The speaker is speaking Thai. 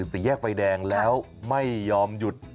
สี่แยกไฟแดงแล้วไม่ยอมหยุด